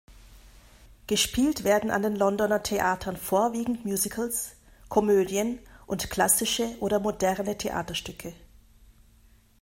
Gespielt werden an den Londoner Theatern vorwiegend Musicals, Komödien und klassische oder moderne Theaterstücke.